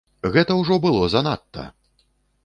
Гэта ўжо было занадта!